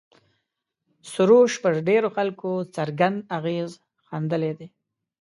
سروش پر ډېرو خلکو څرګند اغېز ښندلی دی.